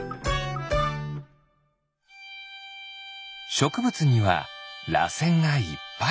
しょくぶつにはらせんがいっぱい。